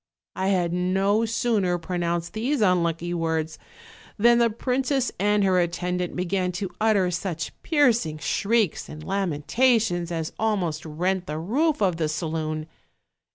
I had no sooner pronounced these unlucky words than the princess and her attendant began to utter such piercing shrieks and lamentations as almost rent the roof of the saloon.